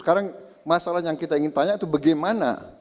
sekarang masalah yang kita ingin tanya itu bagaimana